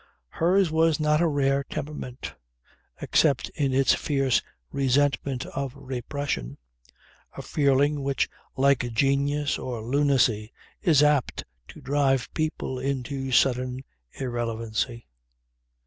Hers was not a rare temperament, except in its fierce resentment of repression; a feeling which like genius or lunacy is apt to drive people into sudden irrelevancy.